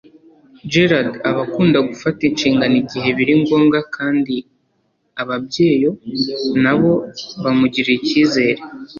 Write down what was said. Gerard aba akunda gufata inshingano igihe biri ngombwa kandi ababyeyo nabo bamugirira icyizere